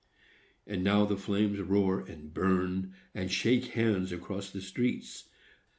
And now the flames roar and burn, and shake hands across the streets.